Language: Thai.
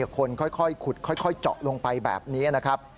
คนค่อยขุดค่อยเจาะลงไปแบบนี้นะครับ